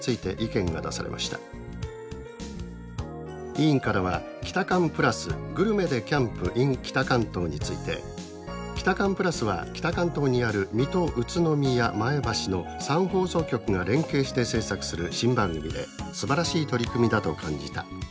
委員からはキタカン＋「グルメｄｅキャンプｉｎ北関東」について「『キタカン＋』は北関東にある水戸宇都宮前橋の３放送局が連携して制作する新番組ですばらしい取り組みだと感じた」